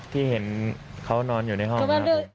พี่เห็นเขานอนอยู่ในห้อง